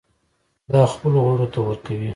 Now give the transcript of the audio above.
دا خپلو غړو ته ورکوي.